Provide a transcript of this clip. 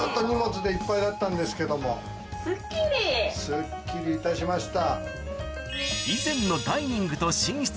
スッキリいたしました。